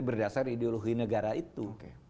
berdasar ideologi negara itu